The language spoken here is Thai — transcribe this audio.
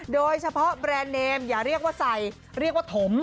โดยเฉพาะแบรนด์เนมอย่าเรียกว่าใส่เรียกว่าถม